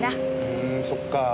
ふんそっか。